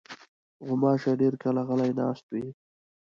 غوماشې ډېر کله غلې ناستې وي.